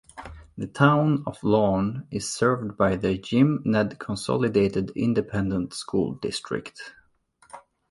The town of Lawn is served by the Jim Ned Consolidated Independent School District.